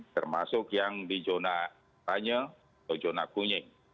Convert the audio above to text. termasuk yang di zona ranye atau zona kuning